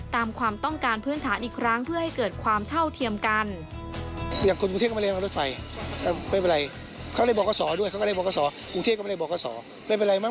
ความต้องการพื้นฐานอีกครั้งเพื่อให้เกิดความเท่าเทียมกัน